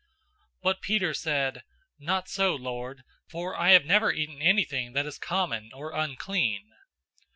010:014 But Peter said, "Not so, Lord; for I have never eaten anything that is common or unclean."